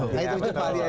nah hitung cepat ya